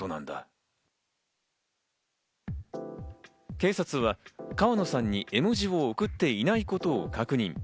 警察は川野さんに絵文字を送っていないことを確認。